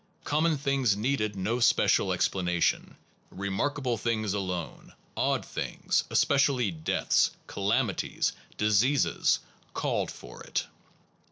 Common things needed no special explanation, remarkable things alone, odd things, especially deaths, calami ties, diseases, called for it.